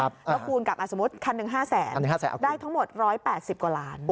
แล้วคูณกับสมมุติคันหนึ่ง๕แสนได้ทั้งหมด๑๘๐กว่าล้าน